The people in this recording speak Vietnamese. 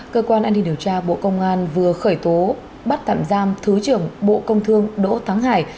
cơ quan an ninh điều tra bộ công an vừa khởi tố bắt tạm giam thứ trưởng bộ công thương đỗ thắng hải